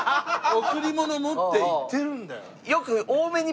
贈り物を持って行ってるんだよ。